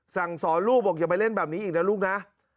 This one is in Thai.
สั่งสอนลูกบอกอย่าไปเล่นแบบนี้อีกนะลูกนะ